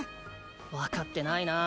分かってないな